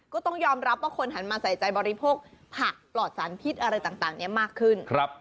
ก็ต้องยอมรับว่าคนหันมาใส่ใจบริโภคผักปลอดสารพิษอะไรต่างนี้มากขึ้น